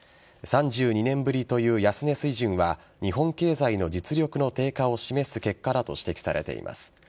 ３２年ぶりという安値水準は日本経済の実力の低下を示す結果だと指摘されています。